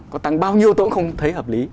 có tăng bao nhiêu tôi cũng không thấy hợp lý